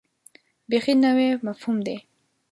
بیخي نوی مفهوم دی.